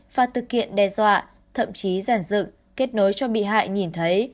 phát thực hiện đe dọa thậm chí giản dựng kết nối cho bị hại nhìn thấy